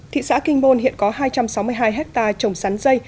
thị xã kinh môn hiện có hai trăm sáu mươi hai hectare trồng sắn dây